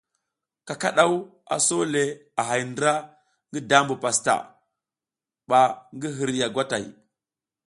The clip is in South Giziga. Kakadaw a so le a hay ndra ngi dabu pastaʼa ban gi hirya gwatay.